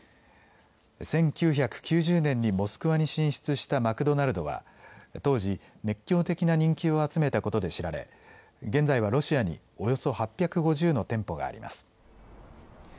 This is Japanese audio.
１９９０年にモスクワに進出したマクドナルドは当時、熱狂的な人気を集めたことで知られ現在はロシアにおよそ８５０の店舗があります。